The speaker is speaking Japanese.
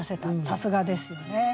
さすがですよね。